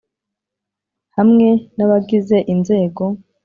Hamwe n abagize inzego